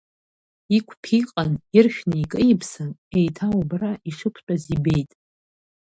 Иқәԥиҟан, иршәны икеиԥсан, еиҭа убра ишықәтәаз ибет.